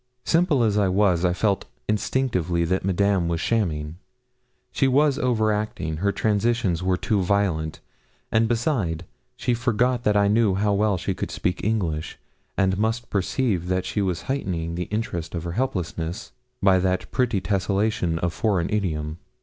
Simple as I was, I felt instinctively that Madame was shamming. She was over acting; her transitions were too violent, and beside she forgot that I knew how well she could speak English, and must perceive that she was heightening the interest of her helplessness by that pretty tessellation of foreign idiom.